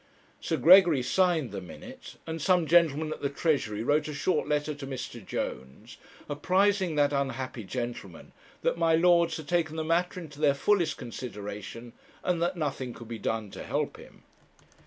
Sir Gregory signed the minute, and some gentleman at the Treasury wrote a short letter to Mr. Jones, apprising that unhappy gentleman that my Lords had taken the matter into their fullest consideration, and that nothing could be done to help him.